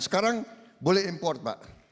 sekarang boleh impor pak